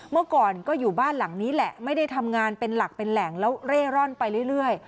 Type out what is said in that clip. เมื่อก่อนก็อยู่บ้านหลังนี้แหละไม่ได้ทำงานเป็นหลักเป็นแหล่งแล้วเร่ร่อนไปเรื่อย